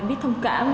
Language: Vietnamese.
phải biết thông cảm